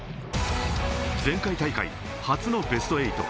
前回大会、初のベスト８。